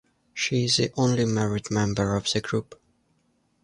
She is the only married member of the group.